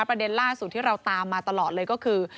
ประเด็นล่าสุดที่เราตามมาตลอดเลยก็คือ